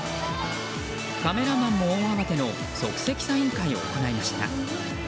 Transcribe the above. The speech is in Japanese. カメラマンも大慌ての即席サイン会を行いました。